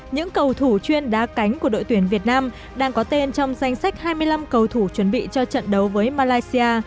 những cầu thủ chuyên đá cánh của đội tuyển việt nam đang có tên trong danh sách hai mươi năm cầu thủ chuẩn bị cho trận đấu với malaysia